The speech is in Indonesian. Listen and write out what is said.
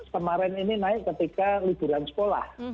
kemarin ini naik ketika liburan sekolah